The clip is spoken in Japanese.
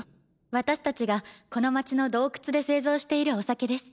私たちがこの町の洞窟で製造しているお酒です。